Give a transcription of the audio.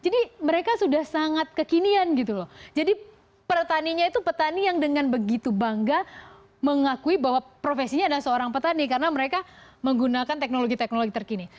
jadi mereka sudah sangat kekinian gitu loh jadi pertanianya itu petani yang dengan begitu bangga mengakui bahwa profesinya ada seorang petani karena mereka menggunakan teknologi teknologi terkini